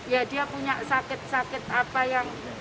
ya dia punya sakit sakit apa yang